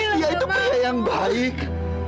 dia itu pria yang baik